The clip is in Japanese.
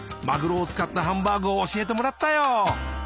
まぐろを使ったハンバーグを教えてもらったよ。